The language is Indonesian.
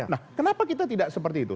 nah kenapa kita tidak seperti itu